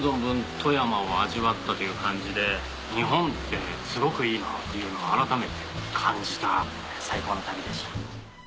富山を味わったという感じで日本ってすごくいいなっていうのを改めて感じた最高の旅でした。